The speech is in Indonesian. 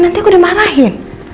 nanti aku udah marahin